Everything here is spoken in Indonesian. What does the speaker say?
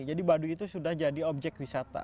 jadi baduy itu sudah jadi objek wisata